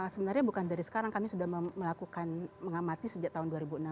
sebenarnya bukan dari sekarang kami sudah melakukan mengamati sejak tahun dua ribu enam